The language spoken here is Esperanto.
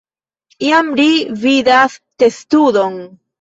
Iam, ri vidas testudon.